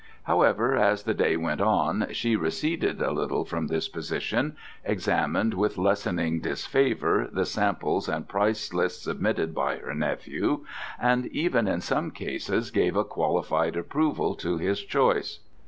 However, as the day went on, she receded a little from this position: examined with lessening disfavour the samples and price lists submitted by her nephew, and even in some cases gave a qualified approval to his choice.